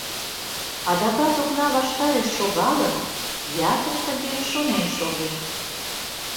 Адакат окна ваштареш шогалын, ятыр тыге шонен шоген.